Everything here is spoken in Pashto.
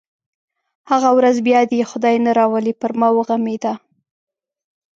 هغه ورځ بیا دې یې خدای نه راولي پر ما وغمېده.